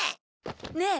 ねえ